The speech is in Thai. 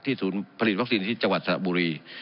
ที่สูญผลิตวัคซีนที่จังหวัดสนบุรี